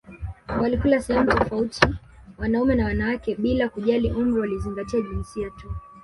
Walikula sehemu tofauti wanaume na wanawake bila kujali umri walizingatia jinsia tu